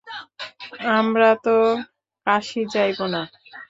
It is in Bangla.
আমরা তো কাশী যাইব না।